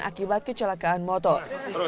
akibat kecelakaan motor